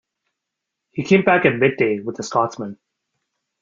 He came back at midday with the Scotsman.